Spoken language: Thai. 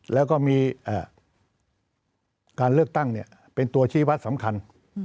แล้วก็มีการเลือกตั้งเป็นตัวชี้วัดสำคัญ